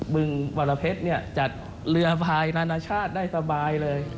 เบริกเบาะเร็ดนี่จัดเรือบ่ายนาตาชาติได้สบายเลย